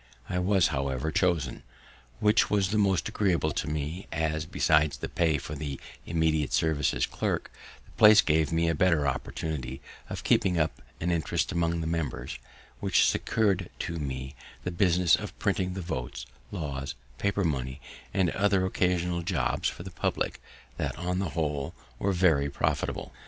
I was, however, chosen, which was the more agreeable to me, as, besides the pay for the immediate service as clerk, the place gave me a better opportunity of keeping up an interest among the members, which secur'd to me the business of printing the votes, laws, paper money, and other occasional jobbs for the public, that, on the whole, were very profitable.